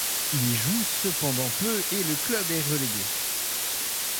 Il y joue cependant peu et le club est relégué.